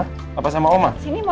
sini mau sama oma